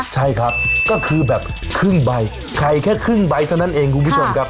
ใช่ครับก็คือแบบครึ่งใบไข่แค่ครึ่งใบเท่านั้นเองคุณผู้ชมครับ